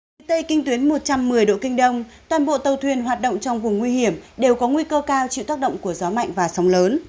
phía tây kinh tuyến một trăm một mươi độ kinh đông toàn bộ tàu thuyền hoạt động trong vùng nguy hiểm đều có nguy cơ cao chịu tác động của gió mạnh và sóng lớn